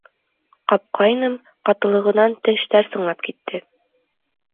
Ҡапҡайным, ҡатылығынан тештәр сыңлап китте.